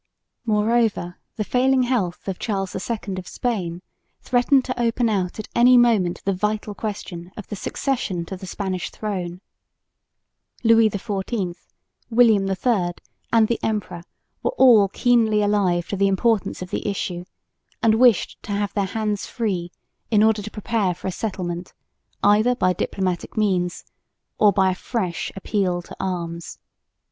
Moreover the failing health of Charles II of Spain threatened to open out at any moment the vital question of the succession to the Spanish throne. Louis XIV, William III and the emperor were all keenly alive to the importance of the issue, and wished to have their hands free in order to prepare for a settlement, either by diplomatic means or by a fresh appeal to arms.